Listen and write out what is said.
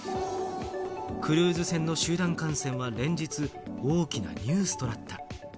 クルーズ船の集団感染は連日、大きなニュースとなった。